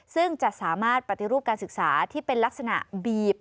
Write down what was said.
ซึ่งจะสามารถปฏิรูปการศึกษาที่เป็นลักษณะบีบ